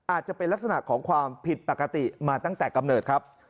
อาจจะเป็นลักษณะของความผิดปกติมาตั้งแต่กำเนิดครับ